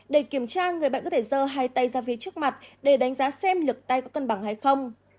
để kiểm tra người bệnh có thể rơ hai tay ra phía trước mặt để đánh giá xem lực tay có cân bằng hay không